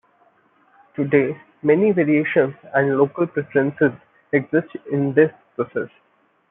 Today many variations and local preferences exist in this process.